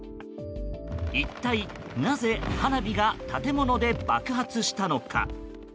一体、なぜ花火が建物で爆発したのか。